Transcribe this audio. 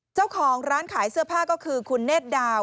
เจ้าของร้านขายเสื้อผ้าก็คือคุณเนธดาว